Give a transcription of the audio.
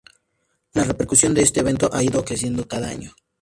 La repercusión de este evento ha ido creciendo cada año.